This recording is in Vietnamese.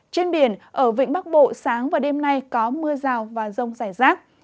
trên biển ở vĩnh bắc bộ sáng và đêm nay có mưa rào và rông rải rác